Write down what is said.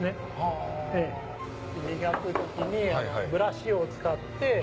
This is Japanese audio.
磨く時にブラシを使って。